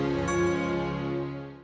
udah gak ada orang ya